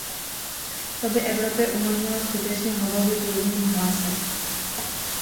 To by Evropě umožnilo skutečně hovořit jedním hlasem.